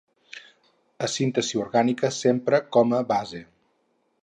En síntesi orgànica s'empra com a base.